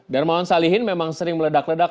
darmawan salihin memang sering meledak ledak